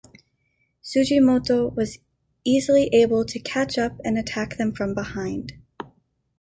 Sugimoto was easily able to catch up and attack them from behind.